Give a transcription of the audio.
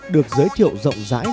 được giới thiệu rộng rãi